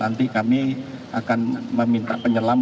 nanti kami akan meminta penyelam